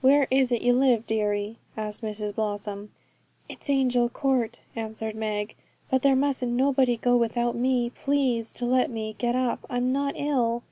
'Where is it you live, deary?' asked Mrs Blossom. 'It's at Angel Court,' answered Meg. 'But there mustn't nobody go without me. Please to let me get up. I'm not ill.'